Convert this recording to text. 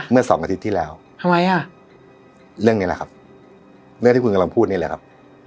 สองอาทิตย์ที่แล้วทำไมอ่ะเรื่องนี้แหละครับเรื่องที่คุณกำลังพูดนี่แหละครับ